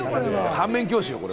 反面教師よ、これ。